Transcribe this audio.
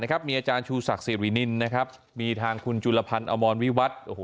นะครับมีอาจารย์ชูศักดิ์ศรีนินนะครับมีทางคุณจุลภัณฑ์อมรวิวัตร